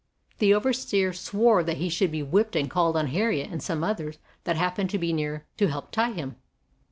The overseer swore that he should be whipped and called on Harriet and some others that happened to be near to help tie him.